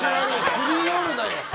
すり寄るなよ！